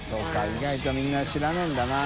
意外とみんな知らねぇんだな。